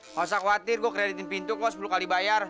masa khawatir gua kreditin pintu kok sepuluh kali bayar